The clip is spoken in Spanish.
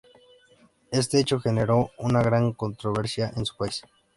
Este hecho generó una gran controversia en su país.